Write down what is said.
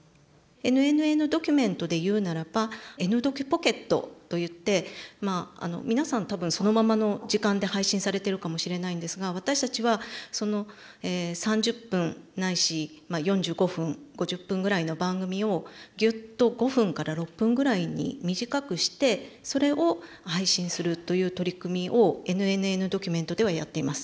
「ＮＮＮドキュメント」で言うならば「Ｎドキュポケット」といって皆さん多分そのままの時間で配信されてるかもしれないんですが私たちはその３０分ないし４５分５０分ぐらいの番組をギュッと５分から６分ぐらいに短くしてそれを配信するという取り組みを「ＮＮＮドキュメント」ではやっています。